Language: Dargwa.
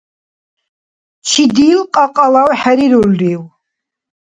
Чидил кьакьалав хӀерирулрив?